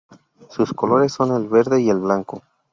Sus colores son el verde y blanco.